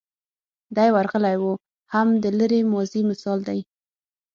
دی ورغلی و هم د لرې ماضي مثال دی.